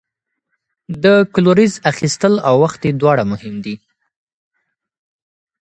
د کلوریز اخیستل او وخت یې دواړه مهم دي.